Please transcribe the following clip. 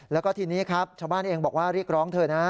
แล้วก็ทีนี้ครับชาวบ้านเองบอกว่าเรียกร้องเธอนะ